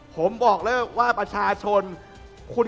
ผมบอกเลยว่าปัชภาคชนแต่ควร